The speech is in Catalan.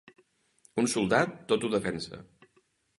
Un soldat, tot ho defensa.